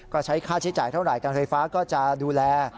ก็ใช้ค่าใช้จ่ายเท่าไหร่การไฟฟ้าก็จะดูแล